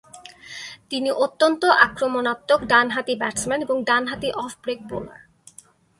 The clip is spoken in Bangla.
তিনি অত্যন্ত আক্রমণাত্মক ডানহাতি ব্যাটসম্যান এবং ডানহাতি অফ ব্রেক বোলার।